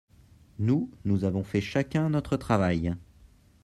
Nous, nous avons fait chacun notre travail.